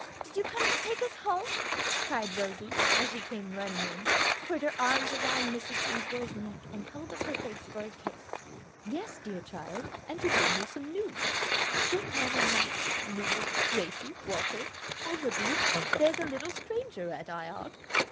Did you come to take us home?" cried Rosie, as she came running in, put her arms about Mrs. Dinsmore's neck, and held up her face for a kiss. "Yes, dear child, and to bring you some news. Good morning, Max, Lulu, Gracie, Walter all of you there's a little stranger at Ion."